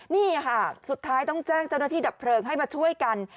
นี่ค่ะสุดท้ายต้องแจ้งเจ้าหน้าที่ดับเพลิงให้มาช่วยกัน